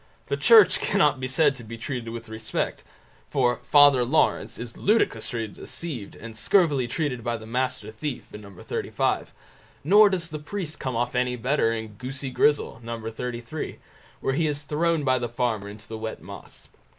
The Church cannot be said to be treated with respect, for "Father Lawrence" is ludicrously deceived and scurvily treated by the Master Thief, No. xxxv; nor does the priest come off any better in Goosey Grizzel, No. xxxiii, where he is thrown by the Farmer into the wet moss.